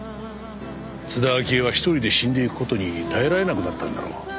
津田明江は１人で死んでいく事に耐えられなくなったんだろう。